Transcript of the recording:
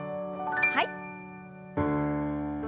はい。